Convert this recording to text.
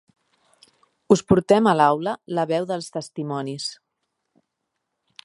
Us portem a l'aula la veu dels testimonis.